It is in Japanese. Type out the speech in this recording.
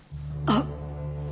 あっ！